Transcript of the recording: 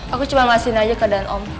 aku cuma ngasihin aja keadaan om